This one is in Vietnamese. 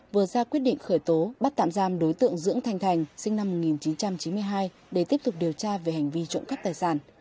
vừa ra quyết định khởi tố bắt tạm giam đối tượng dưỡng thành thành sinh năm một nghìn chín trăm chín mươi hai để tiếp tục điều tra về hành vi trộm cắp tài sản